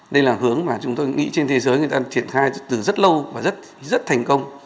đây là hướng mà chúng tôi nghĩ trên thế giới người ta triển khai từ rất lâu và rất thành công